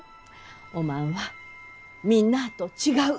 おまんはみんなあと違う。